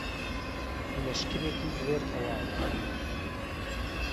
لهشکرێکی زۆر تهواوه